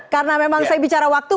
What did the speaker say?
karena memang saya bicara waktu